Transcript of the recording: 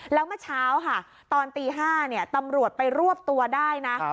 แล้วเมื่อเช้าค่ะตอนตี๕ตำรวจไปรวบตัวได้นะ